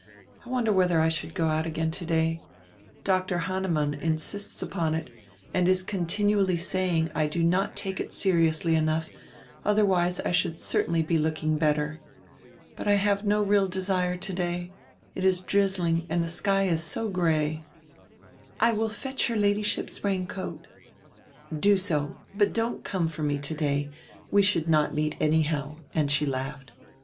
I wonder whether I should go out again today? Dr. Hannemann insists upon it and is continually saying I do not take it seriously enough, otherwise I should certainly be looking better. But I have no real desire today; it is drizzling and die sky is so gray." "I will fetch her Ladyship's raincoat." "Do so, but don't come for me today; we should not meet anyhow," and she laughed.